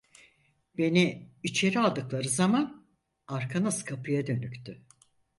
Beni içeri aldıkları zaman arkanız kapıya dönüktü.